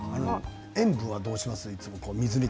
塩分はどうします？